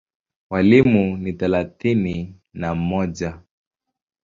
Walimu ni thelathini na mmoja.